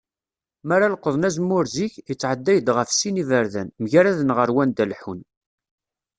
Mi ara leqḍen azemmur zik, yettεedday-d γef sin n yiberdan, mgaraden, γer wanda leḥḥun.